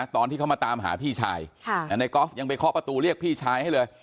ตอนที่เขามาตามหาพี่ชายในกอล์ฟยังไปเคาะประตูเรียกพี่ชายให้เลย